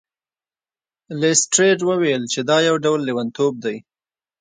لیسټرډ وویل چې دا یو ډول لیونتوب دی.